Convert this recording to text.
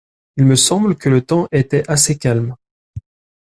Il me semble que le temps était assez calme.